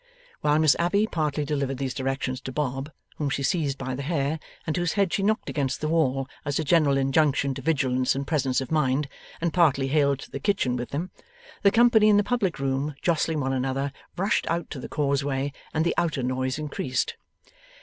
While Miss Abbey partly delivered these directions to Bob whom she seized by the hair, and whose head she knocked against the wall, as a general injunction to vigilance and presence of mind and partly hailed the kitchen with them the company in the public room, jostling one another, rushed out to the causeway, and the outer noise increased.